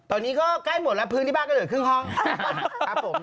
ตอนนี้ก็ใกล้หมดแล้วพื้นที่บ้านก็เหลือครึ่งห้องครับผม